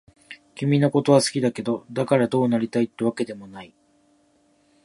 君のことは好きだけど、だからどうなりたいってわけでもない。